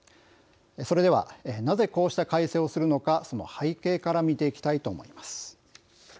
それでは、なぜこうした改正をするのかその背景から見ていきたいと思います。